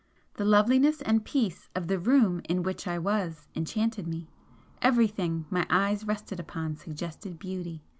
The loveliness and peace of the room in which I was enchanted me, everything my eyes rested upon suggested beauty.